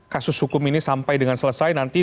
kasus hukum ini sampai dengan selesai nanti